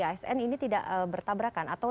asn ini tidak bertabrakan atau